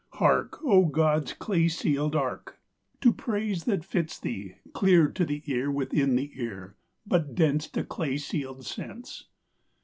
Hark, O God's clay sealed Ark, To praise that fits thee, clear To the ear within the ear, But dense To clay sealed sense.